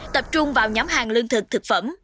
tập trung vào nhóm hàng lương thực thực phẩm